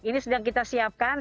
ini sedang kita siapkan